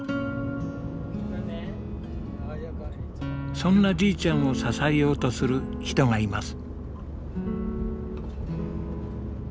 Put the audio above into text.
そんなじいちゃんを支えようとする人がいます。